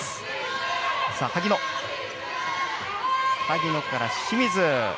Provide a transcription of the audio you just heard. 萩野から清水。